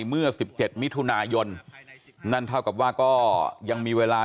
เมื่อ๑๗มิถุนายนนั่นเท่ากับว่าก็ยังมีเวลา